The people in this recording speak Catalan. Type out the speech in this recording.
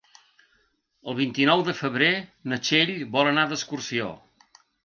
El vint-i-nou de febrer na Txell vol anar d'excursió.